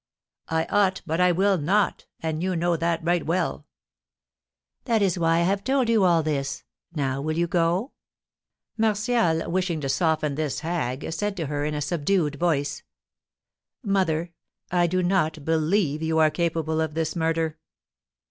"I ought, but I will not; and you know that right well." "That is why I have told you all this. Now, will you go?" Martial, wishing to soften this hag, said to her, in a subdued voice: "Mother, I do not believe you are capable of this murder!"